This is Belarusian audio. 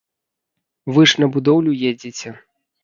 Вы ж на будоўлю едзеце.